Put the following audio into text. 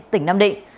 tỉnh nam định